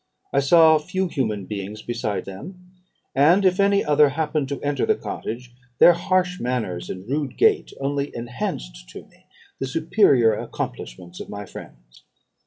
I saw few human beings beside them; and if any other happened to enter the cottage, their harsh manners and rude gait only enhanced to me the superior accomplishments of my friends.